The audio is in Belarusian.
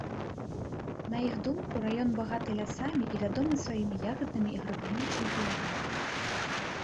На іх думку, раён багаты лясамі і вядомы сваімі ягаднымі і грыбнымі чэмпіянатамі.